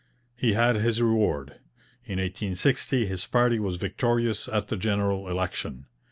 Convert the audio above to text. He had his reward. In 1860 his party was victorious at the general election.